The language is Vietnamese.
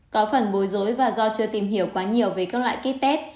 có phần bối rối và do chưa tìm hiểu quá nhiều về các loại kit test